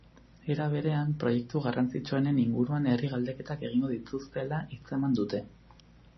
Era berean, proiektu garrantzitsuenen inguruan herri-galdeketak egingo dituztela hitz eman dute.